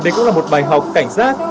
đây cũng là một bài học cảnh giác